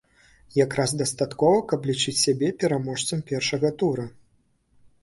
Якраз дастаткова, каб лічыць сябе пераможцам першага тура.